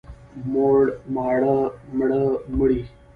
موړ، ماړه، مړه، مړې.